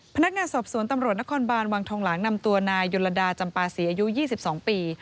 พนักงานสอบสวนตำรวจนครบานวังทองหลางนำตัวนายยลดาจำปาศรีอายุ๒๒ปี